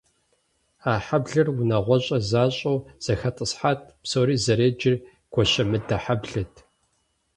А хьэблэр унагъуэщӏэ защӏэу зэхэтӏысхьат, псори зэреджэр гуащэмыдэ хьэблэт.